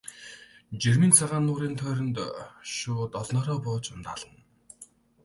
Жирмийн цагаан нуурын тойрон шувууд олноороо бууж ундаална.